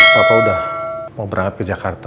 bapak udah mau berangkat ke jakarta